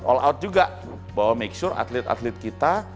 all out juga bahwa make sure atlet atlet kita